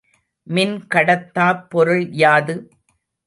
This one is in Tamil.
மின் கடத்தாப் பொருள் யாது?